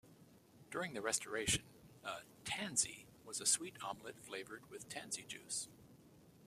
During the Restoration, a "tansy" was a sweet omelette flavoured with tansy juice.